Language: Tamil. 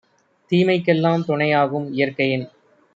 தீமைக்கெல் லாம்துணை யாகும்; இயற்கையின்